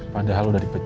padahal udah dipecat